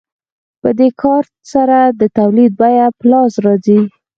په دې کار سره د تولید بیه په لاس راځي